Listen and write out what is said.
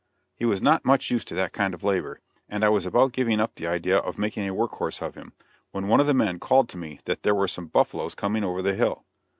He was not much used to that kind of labor, and I was about giving up the idea of making a work horse of him, when one of the men called to me that there were some buffaloes coming over the hill.